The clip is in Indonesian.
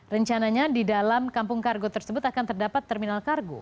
rencananya di dalam kampung kargo tersebut akan terdapat terminal kargo